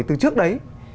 từ trước đấy